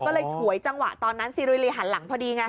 ก็เลยฉวยจังหวะตอนนั้นซีรีหันหลังพอดีไง